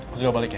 gue juga balik ya